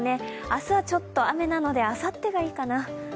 明日はちょっと雨なのであさってがいいかな？